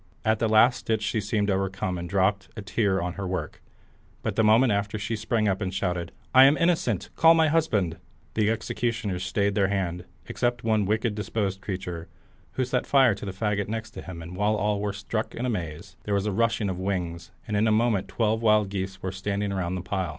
At the last stitch she seemed overcome and dropped a tear on her work, but the moment after she sprang up, and shouted out, "I am innocent; call my husband!" The executioners stayed their hands, except one wicked disposed creature, who set fire to the faggot next him, and while all were struck in amaze, there was a rushing of wings, and in a moment the twelve wild geese were standing around the pile.